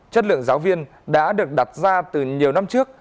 chất lượng giáo viên đã được đặt ra từ nhiều năm trước